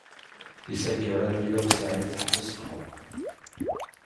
Deg tgara, Lila u Saɛid teḥbes ddexxan.